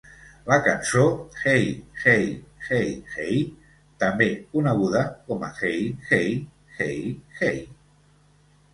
La cançó "Hey-Hey-Hey-Hey", també coneguda com a "Hey-Hey-Hey-Hey!"